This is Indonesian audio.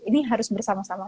ini harus bersama sama